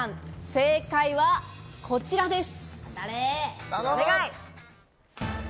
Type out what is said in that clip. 正解は、こちらです。